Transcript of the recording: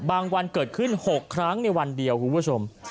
วันเกิดขึ้น๖ครั้งในวันเดียวคุณผู้ชม